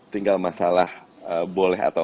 tinggal masalah boleh atau